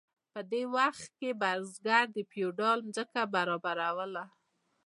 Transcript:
په دې وخت کې بزګر د فیوډال ځمکه برابروله.